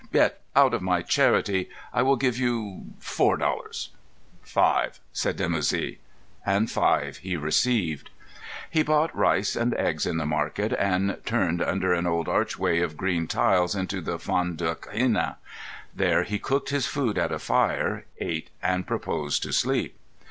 Yet, out of my charity, I will give you four dollars." "Five," said Dimoussi. And five he received. He bought rice and eggs in the market, and turned under an old archway of green tiles into the Fondak Henna. There he cooked his food at a fire, ate, and proposed to sleep.